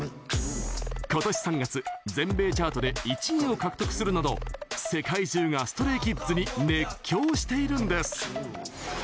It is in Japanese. ことし３月、全米チャートで１位を獲得するなど世界中がＳｔｒａｙＫｉｄｓに熱狂しているんです。